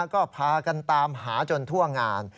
ก็พากันตามหาจนทั่วงาน